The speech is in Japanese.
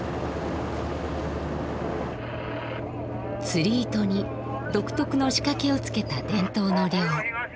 釣り糸に独特の仕掛けをつけた伝統の漁。